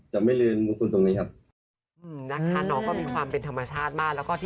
จะไม่เลือนมุมคุณตรงนี้ครับ